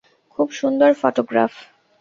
খুব সুন্দর ফটোগ্রাফ।